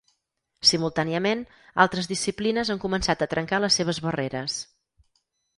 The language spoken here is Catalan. Simultàniament, altres disciplines han començat a trencar les seves barreres.